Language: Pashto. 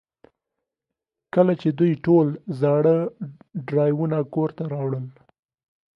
کله چې دوی ټول زاړه ډرایوونه کور ته راوړل